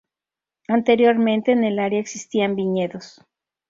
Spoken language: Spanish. Anteriormente, en el área existían viñedos.